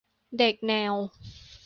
- เด็กแนว